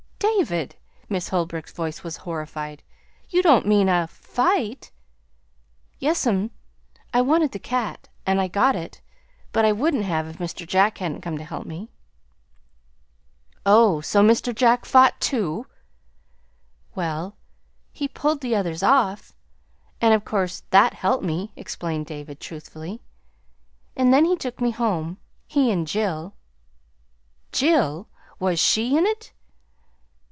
"David!" Miss Holbrook's voice was horrified. "You don't mean a fight!" "Yes'm. I wanted the cat and I got it, but I wouldn't have if Mr. Jack hadn't come to help me." "Oh! So Mr. Jack fought, too?" "Well, he pulled the others off, and of course that helped me," explained David truthfully. "And then he took me home he and Jill." "Jill! Was she in it?"